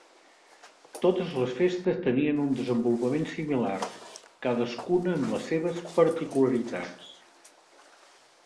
Totes les festes tenien un desenvolupament similar, cadascuna amb les seves particularitats.